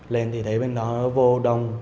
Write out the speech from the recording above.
lên thì thấy bên đó nó vô đông